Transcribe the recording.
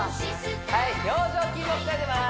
はい表情筋も鍛えてます